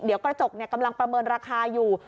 เดี๋ยวกระจกกำลังประเมินราคาอยู่